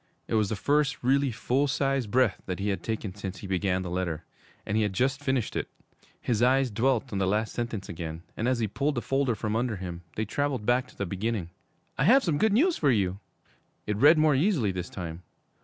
It was the first really full sized breath that he had taken since he began the letter and he had just finished it. His eyes dwelt on the last sentences again, and as he pulled the folder from under him, they traveled back to the beginning. 'I have some good news for you!' It read more easily this time.